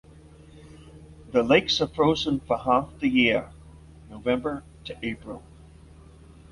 The lakes are frozen for half the year (November to April).